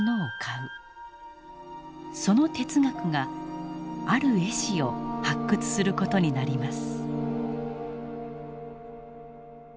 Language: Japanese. その哲学がある絵師を発掘する事になります。